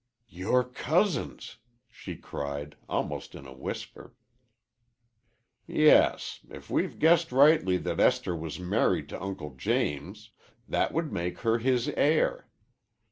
"Your cousins!" she cried, almost in a whisper. "Yes, if we've guessed rightly that Esther was married to Uncle James. That would make her his heir.